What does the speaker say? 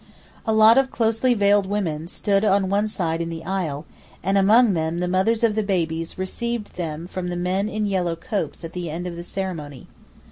A lot of closely veiled women stood on one side in the aisle, and among them the mothers of the babies who received them from the men in yellow copes at the end of the ceremony.